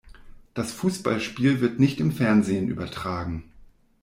Das Fußballspiel wird nicht im Fernsehen übertragen.